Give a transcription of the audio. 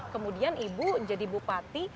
kemudian ibu jadi bupati